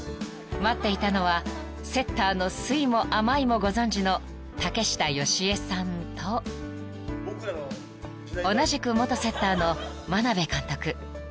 ［待っていたのはセッターの酸いも甘いもご存じの竹下佳江さんと同じく元セッターの眞鍋監督］